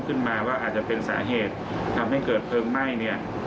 ขึ้นมาว่าอาจจะเป็นสาเหตุทำให้เกิดเพลิงไหม้เนี่ย